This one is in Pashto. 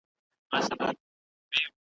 له ستړیا یې اندامونه رېږدېدله ,